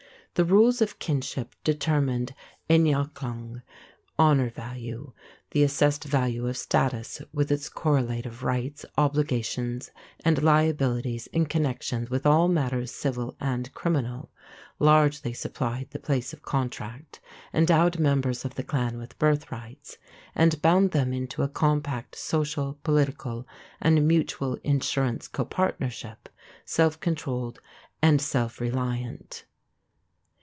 The rules of kinship determined eineachlann (ain yach long) "honor value", the assessed value of status, with its correlative rights, obligations, and liabilities in connection with all matters civil and criminal; largely supplied the place of contract; endowed members of the clan with birthrights; and bound them into a compact social, political, and mutual insurance copartnership, self controlled and self reliant.